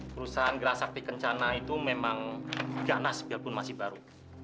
perusahaan gerasakti kencana itu memang ganas biarpun masih baru